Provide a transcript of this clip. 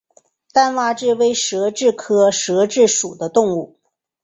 单蛙蛭为舌蛭科蛙蛭属的动物。